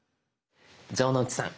城之内さん